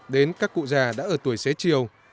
đến các cụ già đã ở tuổi xế chiều